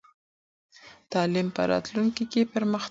تعلیم به راتلونکې کې پرمختګ وکړي.